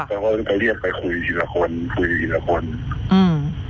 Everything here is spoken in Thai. เขาก็คือเขาเรียกไปคุยทีละคนคุยกี่ทีละคนอื้ม